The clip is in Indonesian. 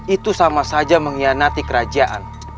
itu sama saja mengkhianati kerajaan